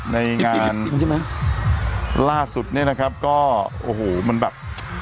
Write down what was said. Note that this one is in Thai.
ในงานจริงใช่ไหมล่าสุดเนี่ยนะครับก็โอ้โหมันแบบ